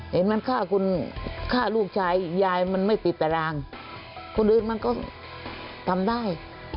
เห็นมันฆ่าคุณฆ่าลูกชายอีกยายมันไม่ติดตารางคนอื่นมันก็ทำได้